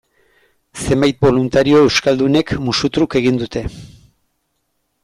Zenbait boluntario euskaldunek, musu truk, egin dute.